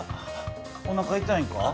おなかいたいんか？